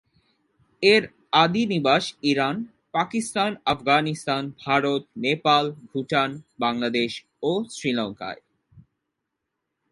এর আদি নিবাস ইরান, পাকিস্তান, আফগানিস্তান, ভারত, নেপাল, ভুটান, বাংলাদেশ ও শ্রীলঙ্কায়।